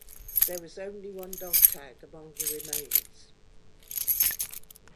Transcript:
There was only one dog tag among the remains.